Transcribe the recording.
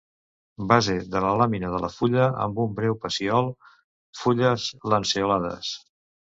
Base de la làmina de la fulla amb un breu pecíol; fulles lanceolades.